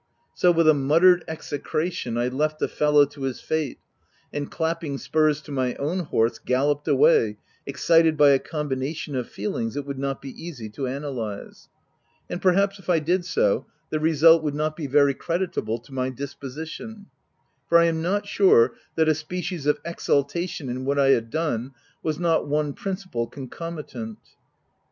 So with a muttered execration, I left the fellow to his fate, and clapping spurs to my own horse, galloped away, excited by a combination of feelings it would not be easy to analyze ; and perhaps, if I did so, the result would not be very creditable to my disposition ; for I am not sure that a species of exultation in what I had done, was not one principal concomitant.